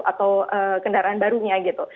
atau kendaraan barunya gitu